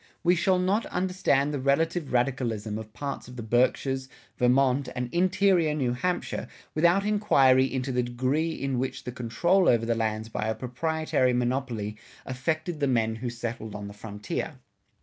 We shall not understand the relative radicalism of parts of the Berkshires, Vermont and interior New Hampshire without enquiry into the degree in which the control over the lands by a proprietary monopoly affected the men who settled on the frontier.